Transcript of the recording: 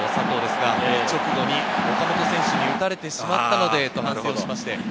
直後に岡本選手に打たれてしまったので、と反省がありました。